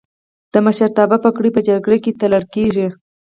د مشرتابه پګړۍ په جرګه کې تړل کیږي.